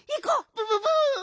プププ。